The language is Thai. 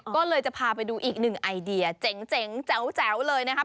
ก็เลยจะพาไปดูอีกหนึ่งไอเดียเจ๋งแจ๋วเลยนะครับ